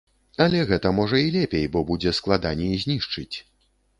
Але гэта, можа, і лепей, бо будзе складаней знішчыць.